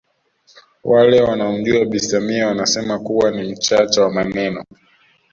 Wale wanaomjua Bi Samia wanasema kuwa ni mchache wa maneno